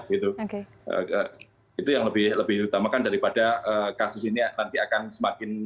itu yang lebih diutamakan daripada kasus ini nanti akan semakin